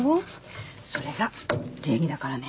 それが礼儀だからね。